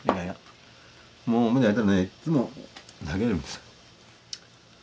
もう思い出したらねいつも泣けるんですよ。